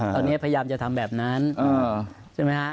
ตอนนี้พยายามจะทำแบบนั้นใช่ไหมฮะ